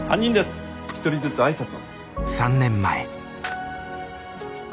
一人ずつ挨拶を。